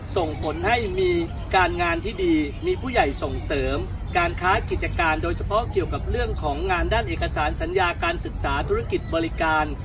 ส่งผลให้มีการงานที่ดีมีผู้ใหญ่ส่งเสริมการค้ากิจการโดยเฉพาะเกี่ยวกับเรื่องของงานด้านเอกสารสัญญาการศึกษาธุรกิจบริการ